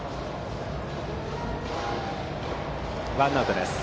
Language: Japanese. ワンアウトです。